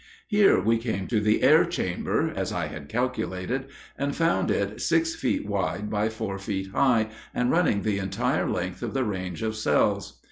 Here we came to the air chamber, as I had calculated, and found it six feet wide by four feet high, and running the entire length of the range of cells.